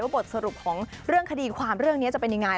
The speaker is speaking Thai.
บทสรุปของเรื่องคดีความเรื่องนี้จะเป็นยังไง